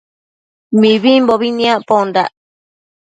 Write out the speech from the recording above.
Mibimbobi nicpondac